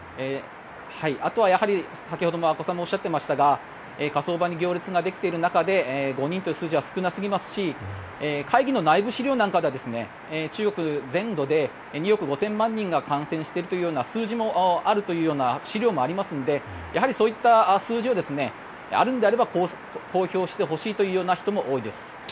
あとはやはり先ほど、阿古さんもおっしゃっていましたが火葬場に行列ができている中で５人という数字は少なすぎますし会議の内部資料なんかでは中国全土で２億５０００万人が感染しているというような数字もあるという資料もありますのでやはりそういった数字をあるのであれば公表してほしいという人も多いです。